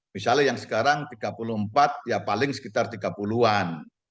misalnya yang sekarang tiga puluh empat ya paling sekitar tiga puluh an